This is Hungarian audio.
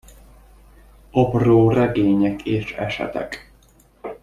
Apró regények és esetek.